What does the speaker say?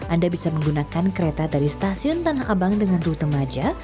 anda bisa menggunakan kereta dari stasiun tanah abang dengan rute maja